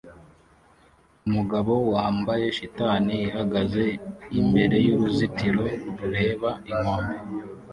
Umugabo wambaye shitani ihagaze imbere yuruzitiro rureba inkombe